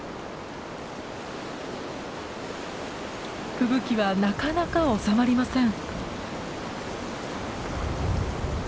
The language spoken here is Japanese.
吹雪はなかなか収まりません。